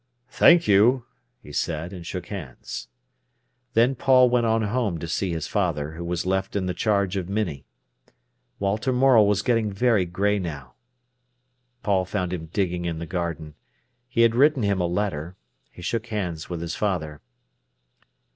"Thank you!" he said, and shook hands. Then Paul went on home to see his father, who was left in the charge of Minnie. Walter Morel was getting very grey now. Paul found him digging in the garden. He had written him a letter. He shook hands with his father.